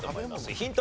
ヒント